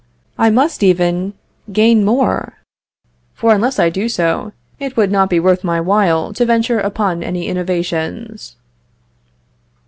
I must even gain more; for unless I do so, it would not be worth my while to venture upon any innovations."